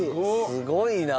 すごいな。